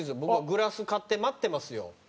僕グラス買って待ってますよ。